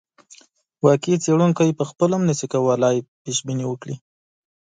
واقعي څېړونکی پخپله هم نه شي کولای پیشبیني وکړي.